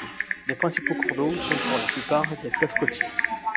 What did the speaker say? Les principaux cours d'eau sont pour la plupart des fleuves côtiers.